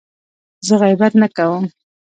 زه غیبت نه کوم.